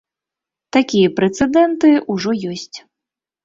Такія прэцэдэнты ужо ёсць.